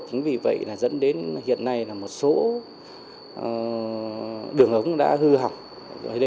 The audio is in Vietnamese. chính vì vậy là dẫn đến hiện nay là một số đường ống đã hư hỏng